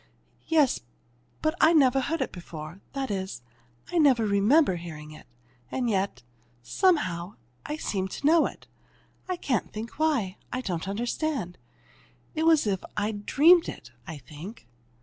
"Yes but I never heard it before; that is, I never remember hearing it, and yet somehow I seemed to know it. I can't think why. I don't understand. It's as if I'd dreamed it, I think."